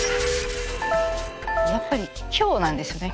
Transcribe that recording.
やっぱり今日なんですよね。